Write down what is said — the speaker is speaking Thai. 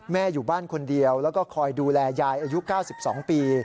อยู่บ้านคนเดียวแล้วก็คอยดูแลยายอายุ๙๒ปี